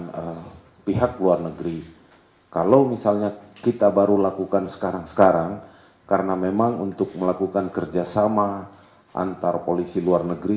kita harus melakukan kerjasama antar polisi luar negeri kalau misalnya kita baru lakukan sekarang sekarang karena memang untuk melakukan kerjasama antar polisi luar negeri